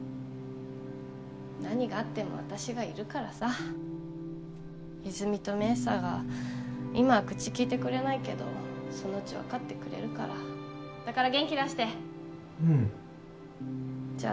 何があっても私がいるからさ泉実と明紗が今は口きいてくれないけどそのうち分かってくれるからだから元気出してうんじゃ